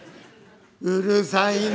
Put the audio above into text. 「うるさいね！